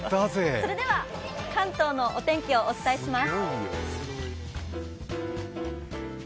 それでは関東のお天気をお伝えします。